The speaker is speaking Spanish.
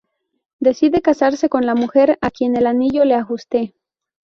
Decide casarse con la mujer a quien el anillo le ajuste.